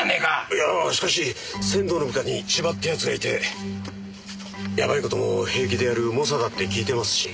いやしかし仙道の部下に千葉って奴がいてやばい事も平気でやる猛者だって聞いてますし。